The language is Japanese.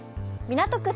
港区